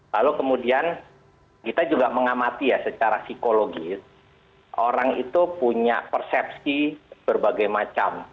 lalu kemudian kita juga mengamati ya secara psikologis orang itu punya persepsi berbagai macam